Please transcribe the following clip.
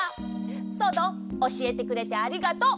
トドおしえてくれてありがとう。